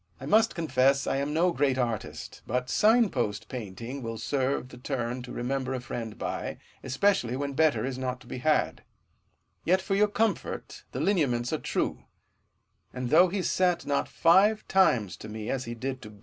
I must confess I am no great artist ; but sign post painting 1 ' The Medal :' see ■ Life.' VOL. I. 162 dryden's poems. will serve the turn to remember a friend by, especially when better is not to be had. Yet, for your comfort, the lineaments are true ; and though he sat not five times to me, as he did to B.